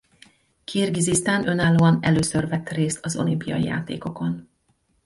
Kirgizisztán önállóan először vett részt az olimpiai játékokon.